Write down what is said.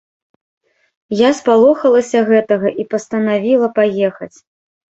Я спалохалася гэтага і пастанавіла паехаць.